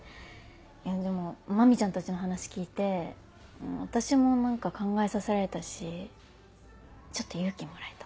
でも麻美ちゃんたちの話聞いて私も何か考えさせられたしちょっと勇気もらえた。